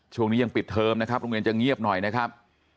ช่วงนี้ยังปิดเทอมนะครับโรงเรียนจะเงียบหน่อยนะครับ